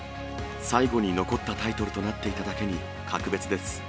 最後に残ったタイトルとなっていただけに、格別です。